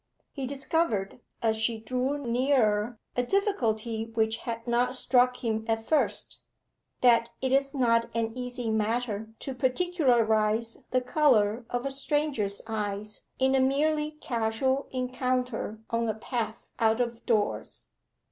He discovered, as she drew nearer, a difficulty which had not struck him at first that it is not an easy matter to particularize the colour of a stranger's eyes in a merely casual encounter on a path out of doors.